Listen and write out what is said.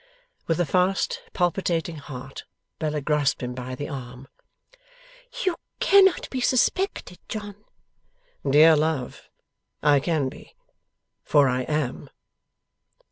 With a fast palpitating heart, Bella grasped him by the arm. 'You cannot be suspected, John?' 'Dear love, I can be for I am!